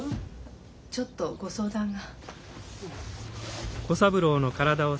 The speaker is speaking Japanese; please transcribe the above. ちょっとご相談が。